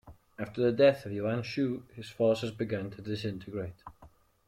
After the death of Yuan Shu, his forces began to disintegrate.